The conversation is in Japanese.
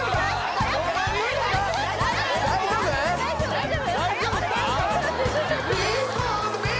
大丈夫？